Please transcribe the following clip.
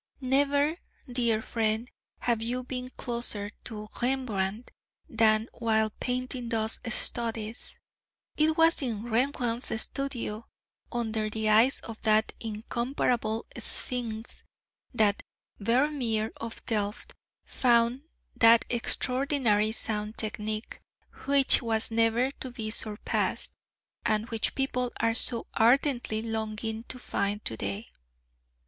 Never, dear friend, have you been closer to Rembrandt than while painting those studies. It was in Rembrandt's studio, under the eyes of that incomparable Sphinx, that Vermeer of Delft found that extraordinarily sound technique which was never to be surpassed, and which people are so ardently longing to find to day.